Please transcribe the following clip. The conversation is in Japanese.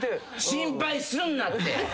心配すんなって。